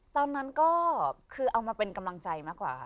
ตอนนั้นก็คือเอามาเป็นกำลังใจมากกว่าค่ะ